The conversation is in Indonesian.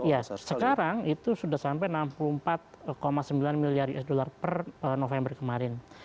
ya sekarang itu sudah sampai enam puluh empat sembilan miliar usd per november kemarin